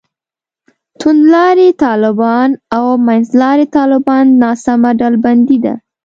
توندلاري طالبان او منځلاري طالبان ناسمه ډلبندي ده.